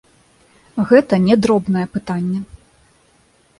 Гэта не дробнае пытанне.